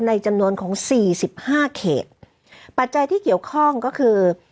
ในจำนวนของ๔๕เขตปัจจัยที่เกี่ยวข้องก็คือ